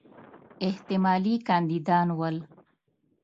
احتمالي کاندیدان ول.